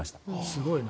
すごいな。